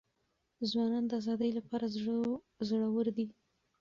ځوانان د ازادۍ لپاره زړه ور دي.